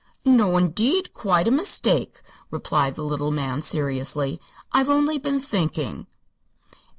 "No, indeed; quite a mistake," replied the little man, seriously. "I've only been thinking."